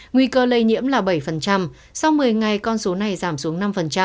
nguy cơ lây nhiễm là bảy sau một mươi ngày con số này giảm xuống năm